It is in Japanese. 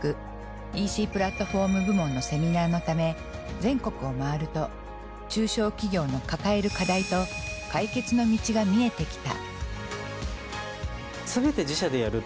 ＥＣプラットフォーム部門のセミナーのため全国をまわると中小企業の抱える課題と解決の道が見えてきた。